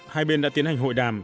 hai bên đã tiến hành hội đàm